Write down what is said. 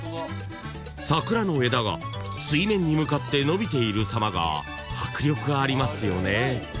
［桜の枝が水面に向かって伸びているさまが迫力ありますよね］